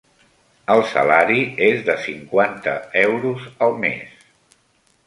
El salari és de cinquanta euros al mes.